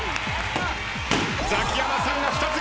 ザキヤマさんが２つゲット！